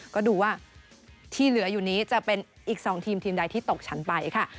ก็ดูว่าที่เหลืออยู่นี้จะเป็นอีก๒ทีมทีมใดที่ตกชั้นไปค่ะ